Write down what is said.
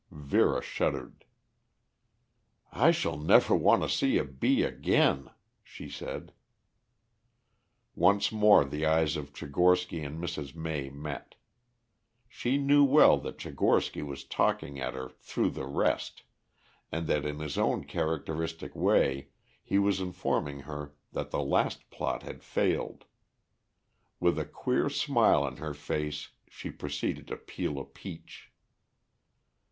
Vera shuddered. "I shall never want to see a bee again," she said. Once more the eyes of Tchigorsky and Mrs. May met. She knew well that Tchigorsky was talking at her through the rest, and that in his own characteristic way he was informing her that the last plot had failed. With a queer smile on her face she proceeded to peel a peach.